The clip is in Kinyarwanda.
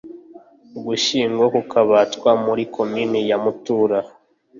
ugushyingo ku kabatwa muri komini ya mutura